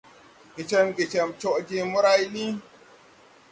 Gecɛmgecɛm coʼ je moray liŋ.